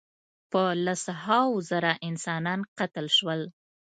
په لس هاوو زره انسانان قتل شول.